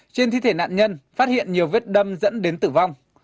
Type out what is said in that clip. trên thi thể nạn nhân phát hiện nhiều vết đâm dẫn đến tử vong